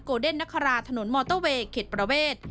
โกเดนนคราถนนมอเตอร์เวย์เข็ดประเวท